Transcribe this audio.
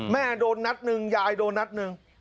แม่โดนนัดนึงยายโดนนัดนึง